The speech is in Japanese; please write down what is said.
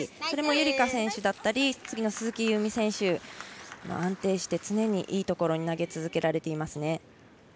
それも夕梨花選手だったり次の鈴木夕湖選手が安定して、常にいいところに投げ続けられていますね。